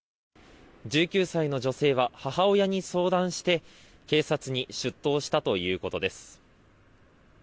１９歳の女性は母親に相談して警察に出頭したということです。